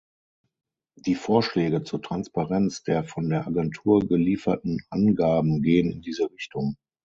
Die Vorschläge zur Transparenz der von der Agentur gelieferten Angaben gehen in diese Richtung.